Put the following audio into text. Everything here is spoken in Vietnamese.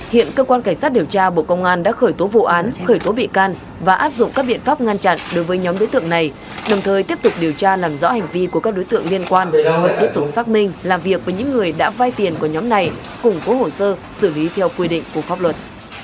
hiện cơ quan cảnh sát điều tra bộ công an đã khởi tố vụ án khởi tố bị can và áp dụng các biện pháp ngăn chặn đối với nhóm đối tượng này đồng thời tiếp tục điều tra làm rõ hành vi của các đối tượng liên quan và tiếp tục xác minh làm việc với những người đã vai tiền của nhóm này củng cố hồ sơ xử lý theo quy định của pháp luật